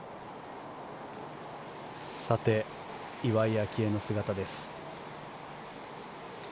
岩井明愛の姿です。